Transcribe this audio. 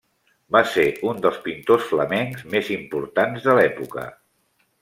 Va ser un dels pintors flamencs més importants de l'època.